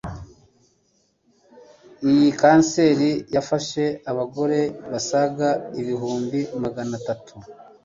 iyi kanseri yafashe abagore basaga ibihumbi Magana atanu